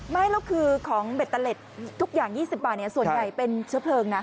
ไม่แล้วคือของเบตเตอร์เล็ตทุกอย่าง๒๐บาทส่วนใหญ่เป็นเชื้อเพลิงนะ